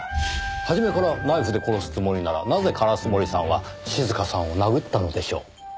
初めからナイフで殺すつもりならなぜ烏森さんは静香さんを殴ったのでしょう？